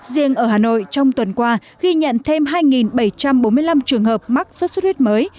riêng ở hà nội trong tuần qua ghi nhận thêm hai bảy trăm bốn mươi năm trường hợp mắc sốt xuất huyết mới